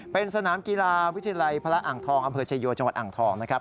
เป็นสนามกีฬาวิทยาลัยพระอ่างทองอำเภอชายโยจังหวัดอ่างทองนะครับ